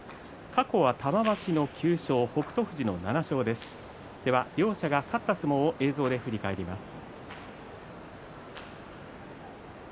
過去は玉鷲の９勝北勝富士の７勝です。両者が勝った相撲を映像で振り返ります。